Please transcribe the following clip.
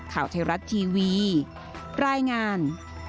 ข่าวไทยรัฐทีวีรายงาน